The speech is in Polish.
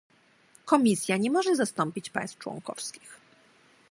Komisja nie może zastąpić państw członkowskich